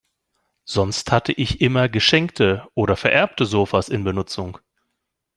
Sonst hatte ich immer geschenkte oder vererbte Sofas in Benutzung.